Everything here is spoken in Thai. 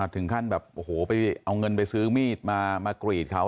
ถึงขั้นแบบโอ้โหไปเอาเงินไปซื้อมีดมากรีดเขา